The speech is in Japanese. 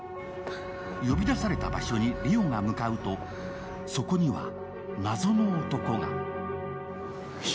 呼び出された場所に梨央が向かうと、そこには謎の男が。